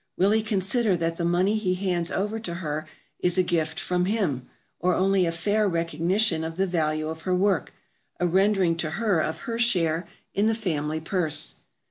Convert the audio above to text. Will he consider that the money he hands over to her is a gift from him, or only a fair recognition of the value of her work, a rendering to her of her share in the family purse?